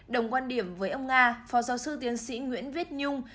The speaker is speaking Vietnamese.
đồng quan điểm với ông nga phó giáo sư tiến sĩ nguyễn viết nhung